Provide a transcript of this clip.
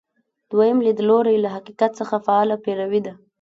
دویم لیدلوری له حقیقت څخه فعاله پیروي ده.